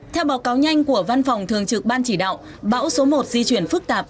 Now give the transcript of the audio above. theo báo cáo nhanh của văn phòng thường trực ban chỉ đạo bão số một di chuyển phức tạp